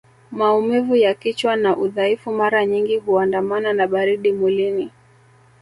Maumivu ya kichwa na udhaifu mara nyingi huandamana na baridi mwilini